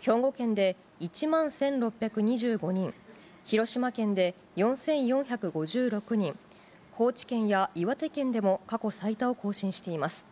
兵庫県で１万１６２５人、広島県で４４５６人、高知県や岩手県でも過去最多を更新しています。